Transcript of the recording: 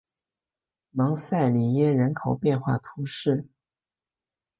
蒙塞里耶人口变化图示